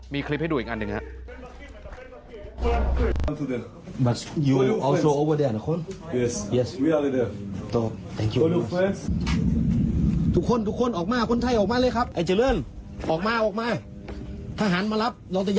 มีคลิปให้ดูอีกอันหนึ่งครับ